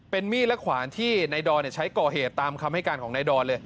มีดและขวานที่ในดอนใช้ก่อเหตุตามคำให้การของนายดอนเลย